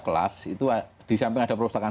kelas itu di samping ada perpustakaan